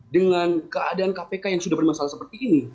dengan keadaan kpk yang sudah bermasalah seperti ini